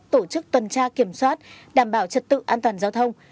tổ chức tuần tra kiểm soát đảm bảo trật tự an toàn giao thông